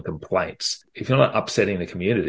jika anda tidak membuat masalah di komunitas